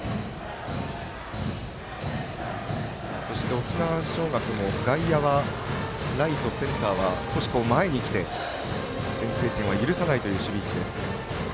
沖縄尚学も外野はライト、センターは少し前に来て先制点は許さないという守備位置。